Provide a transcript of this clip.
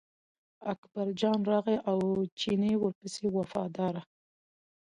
اکبرجان راغی او چینی ورپسې و وفاداره.